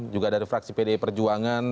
juga dari fraksi pdi perjuangan